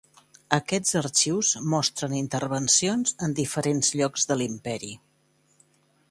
Aquests arxius mostren intervencions en diferents llocs de l'imperi.